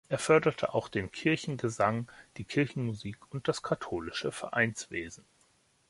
Er förderte auch den Kirchengesang, die Kirchenmusik und das katholische Vereinswesen.